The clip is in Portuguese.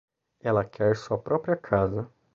Ela quer sua própria casa.